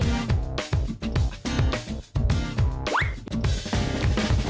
บนเริ่มเทิมยังก็นองมันใหญ่ขนาดไหนอ่ะ